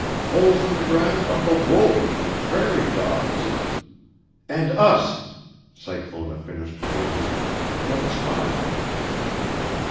Holes in the ground are fo' wolves and prairie dogs and...." "And us," Cyclona finished grimly, then smiled.